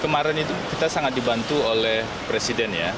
kemarin itu kita sangat dibantu oleh presiden ya